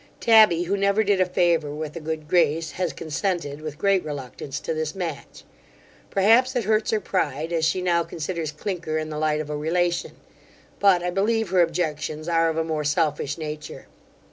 Tabby, who never did a favour with a good grace, has consented, with great reluctance, to this match. Perhaps it hurts her pride, as she now considers Clinker in the light of a relation; but, I believe, her objections are of a more selfish nature.